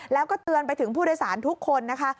แล้วก็เตือนไปถึงผู้โดยสารทุกคนนะคะ